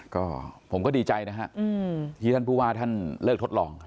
ก็ผมก็ดีใจนะฮะที่ท่านผู้ว่าท่านเลิกทดลอง